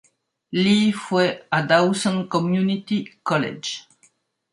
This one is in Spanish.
Lee fue a Dawson Community College.